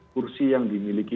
kursi yang dimiliki